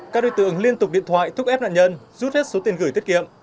các đối tượng liên tục điện thoại thúc ép nạn nhân rút hết số tiền gửi tiết kiệm